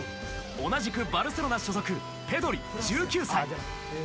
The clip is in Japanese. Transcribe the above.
同じくバルセロナ所属ペドリ、１９歳。